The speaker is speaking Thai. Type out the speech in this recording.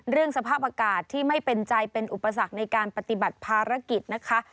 สภาพอากาศที่ไม่เป็นใจเป็นอุปสรรคในการปฏิบัติภารกิจนะคะ